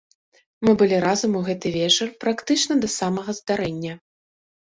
Мы былі разам у гэты вечар практычна да самага здарэння.